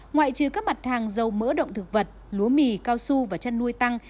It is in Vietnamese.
ngoại trừ các mặt hàng dầu mỡ động thực vật lúa mì cao su và chăn nuôi tăng